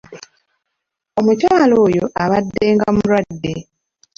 Omukyala oyo abaddenga mulwadde.